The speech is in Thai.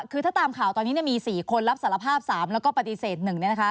คือถ้าตามข่าวตอนนี้มี๔คนรับสารภาพ๓แล้วก็ปฏิเสธ๑เนี่ยนะคะ